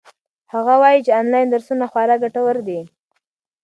هغه وایي چې آنلاین درسونه خورا ګټور دي.